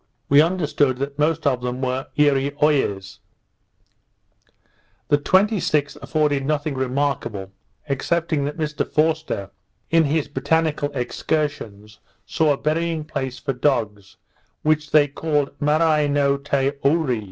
We understood the most of them were Eareeoies. The 26th afforded nothing remarkable, excepting that Mr Forster, in his botanical excursions, saw a burying place for dogs, which they called Marai no te Oore.